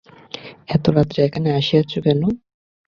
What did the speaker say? এত রাত্রে এখানে আসিয়াছ কেন?